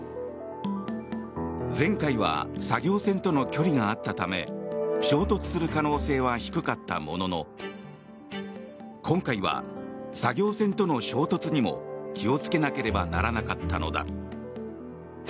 前回は作業船との距離があったため衝突する可能性は低かったものの今回は作業船との衝突にも気をつけなければならなかったのだ。